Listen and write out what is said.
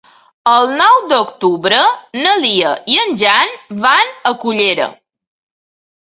El nou d'octubre na Lia i en Jan van a Cullera.